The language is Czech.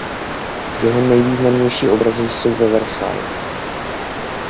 Jeho nejvýznamnější obrazy jsou ve Versailles.